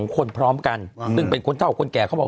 ๒คนพร้อมกันซึ่งเป็นคนเท่าคนแก่เขาบอก